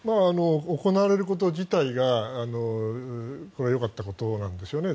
行われること自体がよかったことなんですよね。